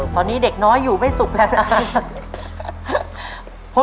ตอนนี้เด็กน้อยอยู่ไม่สุขแล้วนะ